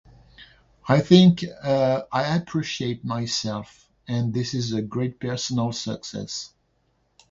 I think I appreciate myself and this is a great personal success.